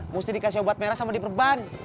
mesti dikasih obat merah sama diperban